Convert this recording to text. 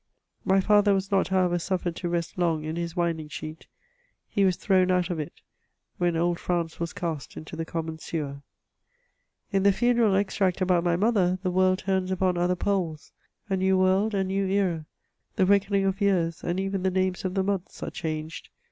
My father was not, however, suffered to rest loi^ in his winding sheet ; he was thrown out of it, when old France was cast into the common sewer. In the funeral extract about my mother, the world turns upon other poles ; a new world ; a new era ; the reckoning of years, and even the names of the months, are changed.